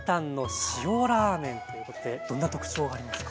ということでどんな特徴がありますか？